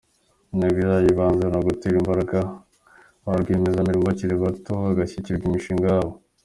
Intego yayo y’ibanze ni ugutera imbaraga ba rwiyemezamirimo bakiri bato hashyigikirwa imishinga yabo.